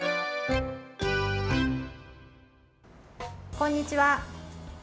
こんにちは。